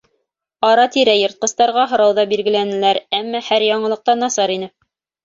Ара-тирә йыртҡыстарға һорау ҙа биргеләнеләр, әммә һәр яңылыҡ та насар ине.